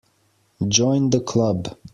Join the Club.